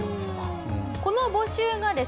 この募集がですね